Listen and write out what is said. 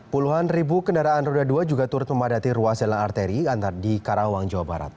puluhan ribu kendaraan roda dua juga turut memadati ruas jalan arteri di karawang jawa barat